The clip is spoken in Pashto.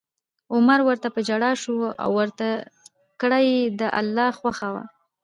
عمر ورته په ژړا شو او ورته کړه یې: که د الله خوښه وه